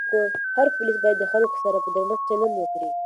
هر پولیس باید د خلکو سره په درنښت چلند وکړي.